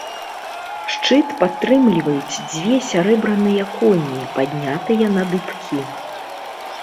Шчыт падтрымліваюць дзве сярэбраныя коні, паднятыя на дыбкі.